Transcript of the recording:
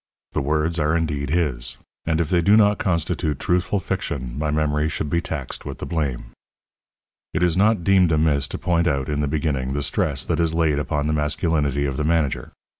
The words are indeed his; and if they do not constitute truthful fiction my memory should be taxed with the blame. It is not deemed amiss to point out, in the beginning, the stress that is laid upon the masculinity of the manager.